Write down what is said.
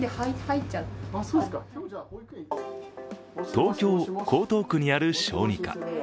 東京・江東区にある小児科。